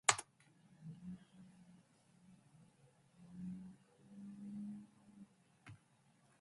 主君の車馬を御する従者。随行者。